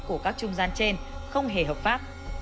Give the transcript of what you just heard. của các trung gian trên không hề hợp pháp